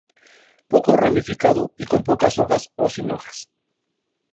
Poco ramificado y con pocas hojas o sin hojas.